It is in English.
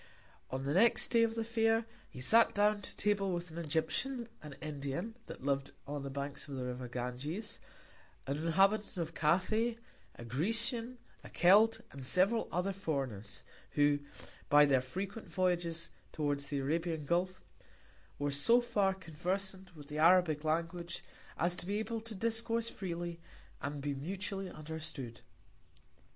On the second Day of the Fair, he sat down to Table with an Egyptian, an Indian, that liv'd on the Banks of the River Ganges, an Inhabitant of Cathay, a Grecian, a Celt, and several other Foreigners, who by their frequent Voyages towards the Arabian Gulf, were so far conversant with the Arabic Language, as to be able to discourse freely, and be mutually understood.